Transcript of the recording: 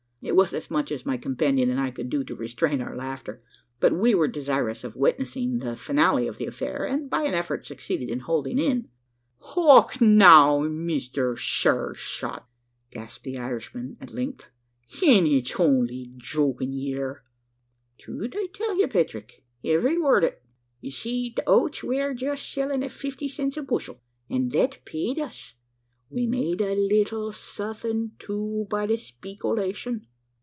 It was as much as my companion and I could do to restrain our laughter; but we were desirous of witnessing the finale of the affair, and, by an effort, succeeded in holding in. "Och, now, Misther Shure shat!" gasped the Irishman at length, "an' it's only jokin' ye are?" "Truth I tell ye, Petrick every word o' 't. Ye see the oats weer jest then sellin' at fifty cents the bushel, an' thet paid us. We made a lettle suthin', too, by the speekolashun."